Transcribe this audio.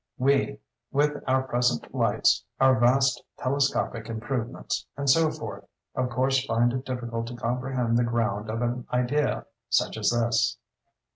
We, with our present lights, our vast telescopic improvements, and so forth, of course find it difficult to comprehend the ground of an idea such as this.